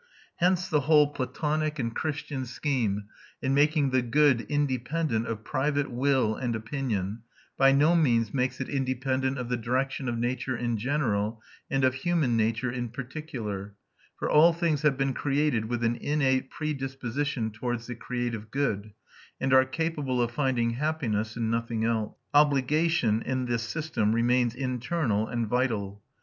Hence the whole Platonic and Christian scheme, in making the good independent of private will and opinion, by no means makes it independent of the direction of nature in general and of human nature in particular; for all things have been created with an innate predisposition towards the creative good, and are capable of finding happiness in nothing else. Obligation, in this system, remains internal and vital.